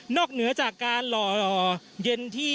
เหนือจากการหล่อเย็นที่